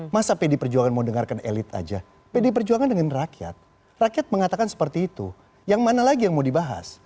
masa pdi perjuangan mau dengarkan elit aja pd perjuangan dengan rakyat rakyat mengatakan seperti itu yang mana lagi yang mau dibahas